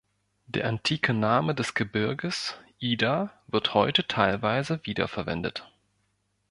Der antike Name des Gebirges "Ida" wird heute teilweise wieder verwendet.